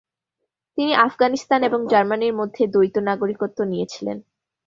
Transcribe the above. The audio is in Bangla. তিনি আফগানিস্তান এবং জার্মানির মধ্যে দ্বৈত নাগরিকত্ব নিয়েছিলেন।